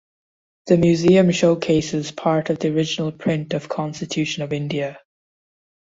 The museum showcases part of the original print of constitution of India.